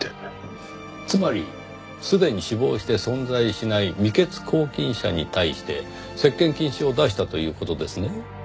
つまりすでに死亡して存在しない未決拘禁者に対して接見禁止を出したという事ですね？